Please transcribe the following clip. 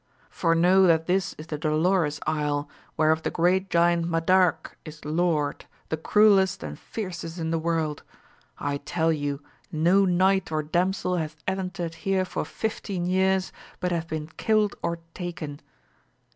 For know that this is the Dolorous Isle, whereof the great giant Madarque is lord, the cruellest and fiercest in the world. I tell you no knight or damsel hath entered here for fifteen years, but hath been killed or taken.